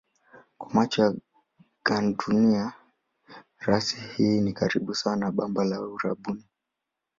Kwa macho ya gandunia rasi hii ni karibu sawa na bamba la Uarabuni.